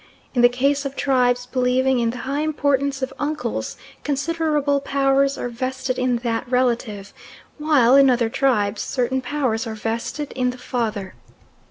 In the case of tribes believing in the high importance of uncles considerable powers are vested in that relative, while in other tribes certain powers are vested in the father.